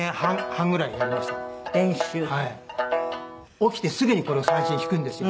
起きてすぐにこれを三線弾くんですよ